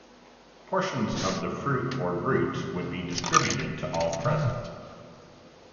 Portions of the fruit or roots would be distributed to all present.